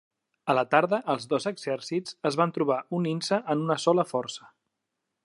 A la tarda, els dos exèrcits es van trobar unint-se en una sola força.